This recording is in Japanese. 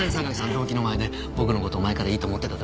同期の前で僕の事前からいいと思ってたとか。